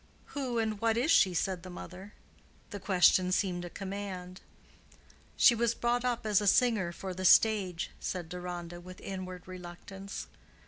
"Who and what is she?" said the mother. The question seemed a command. "She was brought up as a singer for the stage," said Deronda, with inward reluctance.